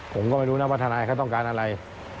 ผมก็ไม่รู้นะว่าทนายเขาต้องการอะไร